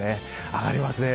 上がりますね。